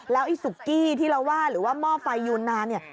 ไอ้สุกี้ที่เราว่าหรือว่าหม้อไฟยูนนานเนี่ย